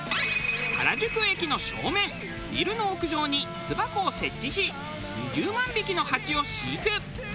原宿駅の正面ビルの屋上に巣箱を設置し２０万匹のハチを飼育。